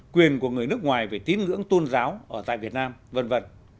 quyền của người nước ngoài về tín ngưỡng tôn giáo ở tại việt nam v v